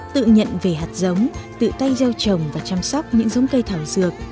tự nhận về hạt giống tự tay gieo trồng và chăm sóc những giống cây thảo dược